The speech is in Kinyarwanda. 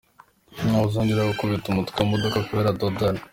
Ntawe uzongera gukubita umutwe ku modoka kubera Dodani